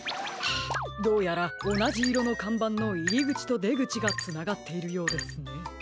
どうやらおなじいろのかんばんのいりぐちとでぐちがつながっているようですね。